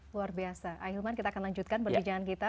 luar biasa akhirnya kita akan lanjutkan perbicaraan kita